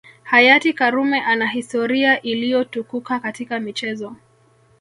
Hayati Karume ana historia iliyotukuka katika michezo